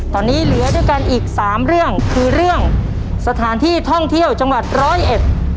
ตอนนี้เหลือด้วยกันอีกสามเรื่องคือเรื่องสถานที่ท่องเที่ยวจังหวัดร้อยเอ็ด